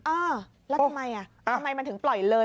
เออแล้วทำไมทำไมมันถึงปล่อยเลย